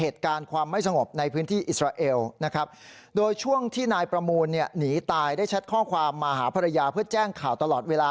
ได้แชทข้อความมาหาภรรยาเพื่อแจ้งข่าวตลอดเวลา